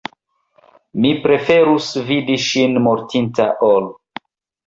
Mi preferus vidi ŝin mortinta ol.